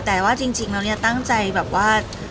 แต่ว่าจริงแล้วเนี่ยตั้งใจแบบว่า